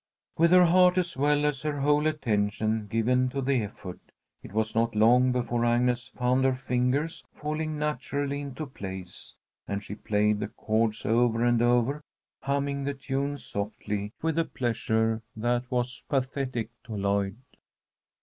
With her heart as well as her whole attention given to the effort, it was not long before Agnes found her fingers falling naturally into place, and she played the chords over and over, humming the tune softly, with a pleasure that was pathetic to Lloyd.